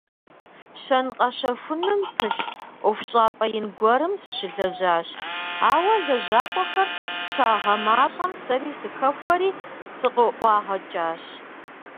Щэн-къэщэхуным пылъ ӏуэхущӏапӏэ ин гуэрым сыщылэжьащ, ауэ, лэжьакӀуэхэр щагъэмащӀэм, сэри сыхэхуэри, сыкъыӀуагъэкӀащ.